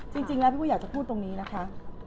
จริงแล้วพี่ปุ้ยอยากจะพูดตรงนี้นะคะ